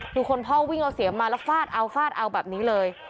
ดูคนพ่อวิ่งเอาเสียงมาแล้วฟาดเอาฟาดเอาแบบนี้เลย